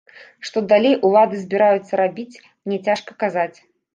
Што далей улады збіраюцца рабіць, мне цяжка казаць.